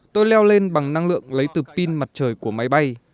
tôi leo lên bằng năng lượng lấy từ pin mặt trời của máy bay